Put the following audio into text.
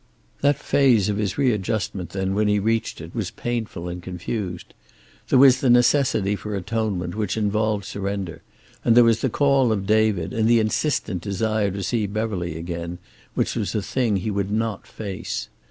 That phase of his readjustment, then, when he reached it, was painful and confused. There was the necessity for atonement, which involved surrender, and there was the call of David, and the insistent desire to see Beverly again, which was the thing he would not face.